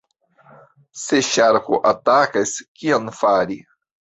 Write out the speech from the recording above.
Se ŝarko atakas, kion fari?